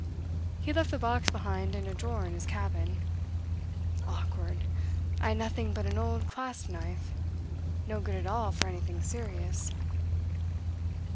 He had left the box behind in a drawer in his cabin. Awkward! I had nothing but an old clasp knife no good at all for anything serious.